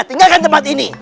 tinggalkan tempat ini